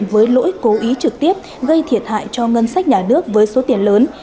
hành vi sai phạm được thực hiện với lỗi cố ý trực tiếp gây thiệt hại cho ngân sách nhà nước với số tiền lớn